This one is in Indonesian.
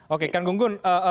oke kang gunggun